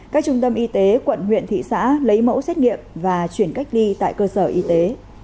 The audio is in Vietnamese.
các trung tâm y tế quận huyện thị xã lấy mẫu xét nghiệm và chuyển cách ly tại cơ sở y tế